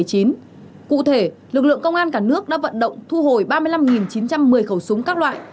cụ thể lực lượng công an cả nước đã vận động thu hồi ba mươi năm chín trăm một mươi khẩu súng các loại